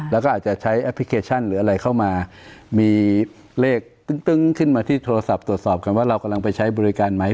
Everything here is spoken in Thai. แล้วก็อาจจะใช้แอปพลิเคชันหรืออะไรเข้ามามีเลขตึ้งขึ้นมาที่โทรศัพท์ตรวจสอบกันว่าเรากำลังไปใช้บริการไหม